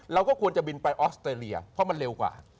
เราก็ควรจะบินไปออสเตรเลียเพราะมันเร็วกว่า